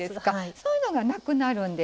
そういうのがなくなるんです。